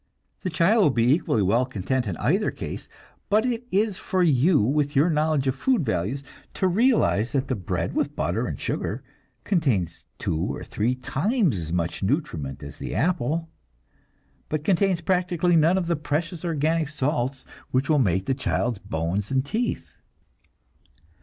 The child will be equally well content in either case; but it is for you, with your knowledge of food values, to realize that the bread with butter and sugar contains two or three times as much nutriment as the apple, but contains practically none of the precious organic salts which will make the child's bones and teeth.